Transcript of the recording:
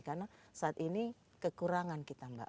karena saat ini kekurangan kita mbak